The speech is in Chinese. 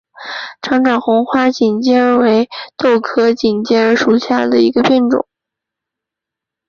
长爪红花锦鸡儿为豆科锦鸡儿属下的一个变种。